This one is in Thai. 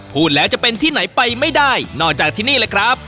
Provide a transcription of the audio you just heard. พูดแล้วจะเป็นที่ไหนไปไม่ได้นอกจากที่นี่เลยครับ